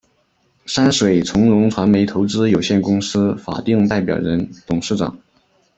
山水从容传媒投资有限公司法定代表人、董事长